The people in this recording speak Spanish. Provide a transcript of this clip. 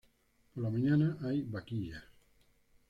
Por la mañana hay vaquillas.